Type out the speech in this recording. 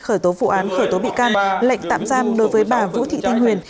khởi tố vụ án khởi tố bị can lệnh tạm giam đối với bà vũ thị thanh huyền